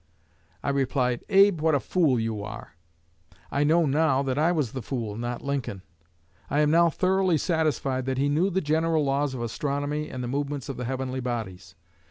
I replied, 'Abe, what a fool you are!' I know now that I was the fool, not Lincoln. I am now thoroughly satisfied that he knew the general laws of astronomy and the movements of the heavenly bodies.